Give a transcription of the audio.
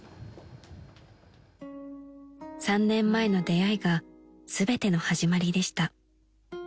［３年前の出会いが全ての始まりでした］